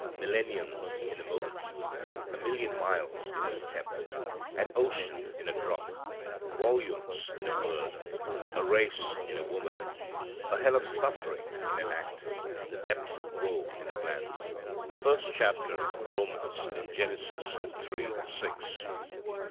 Millenniums in a moment. A million miles in a step. An ocean in a drop. Volumes in a word. A race in a woman. A hell of suffering in an act. The depths of woe in a glance. The first chapter of Romans in Genesis three, six.